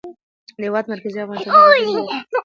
د هېواد مرکز د افغانستان د طبیعي زیرمو برخه ده.